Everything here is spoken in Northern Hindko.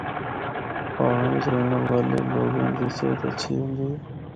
پہاڑاں بچ رہنڑا والے لوگاں دی صحت اچھی ہوندی ہے۔